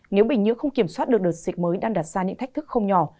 nếu bệnh nhiễu không kiểm soát được đợt dịch mới đang đặt ra những thách thức không nhỏ